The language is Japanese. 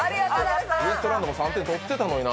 ウエストランドも３点取ってたのにな。